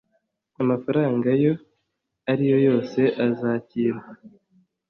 amafaranga ayo ari yo yose azakirwa